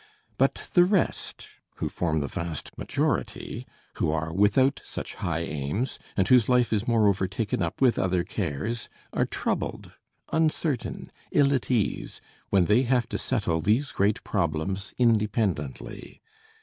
But the rest, who form the vast majority, who are without such high aims, and whose life is moreover taken up with other cares, are troubled, uncertain, ill at ease, when they have to settle these great problems independently.